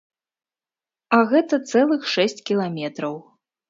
А гэта цэлых шэсць кіламетраў.